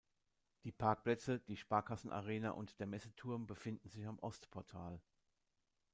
Die Parkplätze, die Sparkassen-Arena und der Messeturm befinden sich am Ostportal.